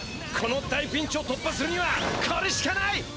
この大ピンチを突破するにはこれしかない！